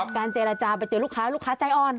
การเจรจาไปเจอลูกค้าลูกค้าใจอ่อน